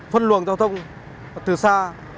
phân luồng giao thông từ xa